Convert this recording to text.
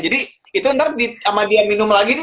jadi itu ntar sama dia minum lagi nih